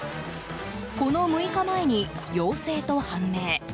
この６日前に陽性と判明。